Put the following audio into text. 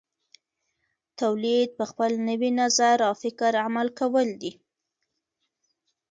تولید په خپل نوي نظر او فکر عمل کول دي.